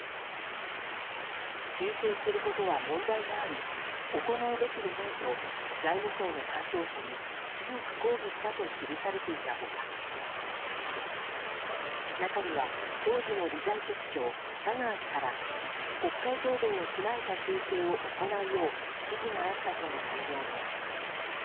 修正することは問題があり行うべきでないと財務省の担当者に強く抗議したと記されていた他中には当時の理財局長・佐川氏から国会答弁を踏まえた修正を行うよう指示があったとの内容も。